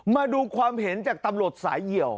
มาดูความเห็นจากตำรวจสายเหี่ยว